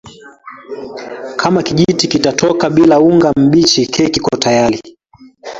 Kama kijiti kitatoka bila unga mbichi keki iko tayari